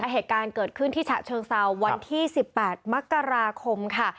เหตุการณ์เกิดขึ้นที่ฉะเชิงเซาวันที่๑๘มกราคมค่ะ